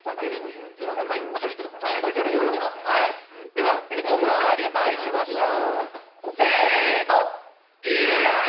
では、おかわりまいりましょう。